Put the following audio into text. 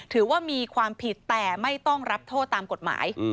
ถือว่ามีความผิดแต่ไม่ต้องรับโทษตามกฎหมาย